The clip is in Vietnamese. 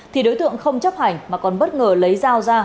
thì đối tượng không chấp hành mà còn bất ngờ lấy dao ra